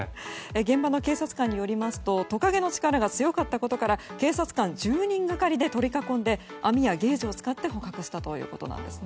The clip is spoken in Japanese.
現場の警察官によりますとトカゲの力が強かったことから警察官１０人がかりで取り囲んで網やケージを使って捕獲したということです。